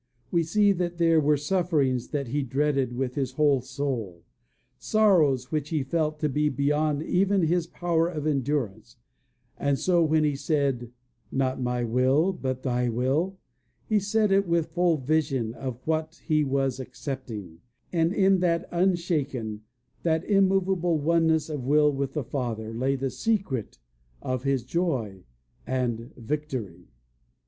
We see that there were sufferings that he dreaded with his whole soul; sorrows which he felt to be beyond even his power of endurance; and so when he said, "Not my will, but Thy will," he said it with full vision of what he was accepting; and in that unshaken, that immovable oneness of will with the Father lay the secret of his joy and victory.